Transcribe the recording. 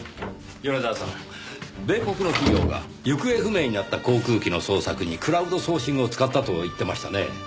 米国の企業が行方不明になった航空機の捜索にクラウドソーシングを使ったと言っていましたねぇ。